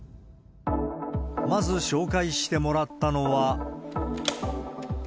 まず紹介してもらったのは。